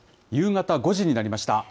夕方５時になりました。